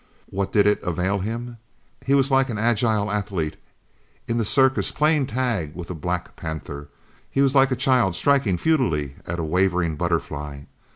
What did it avail him? He was like an agile athlete in the circus playing tag with a black panther. He was like a child striking futilely at a wavering butterfly.